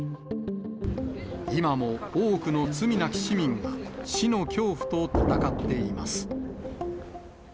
今も多くの罪なき市民が死の恐怖と戦っています。